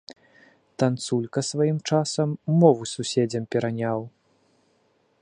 Танцулька сваім часам мову суседзям пераняў.